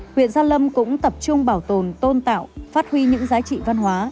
huyện gia lâm cũng tập trung bảo tồn tôn tạo phát huy những giá trị văn hóa